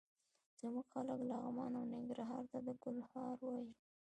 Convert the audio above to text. زموږ خلک لغمان او ننګرهار ته د ګل هار وايي.